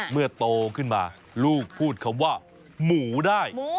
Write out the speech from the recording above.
โตขึ้นมาลูกพูดคำว่าหมูได้